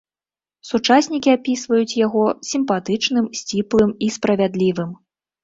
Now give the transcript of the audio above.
Сучаснікі апісваюць яго сімпатычным, сціплым і справядлівым.